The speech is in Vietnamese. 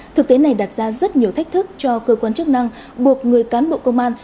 thực tế này đặt ra rất nhiều thách thức cho cơ quan chức năng buộc người cán bộ công an